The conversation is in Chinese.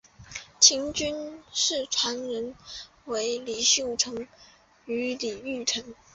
秦军事传人为李秀成与陈玉成。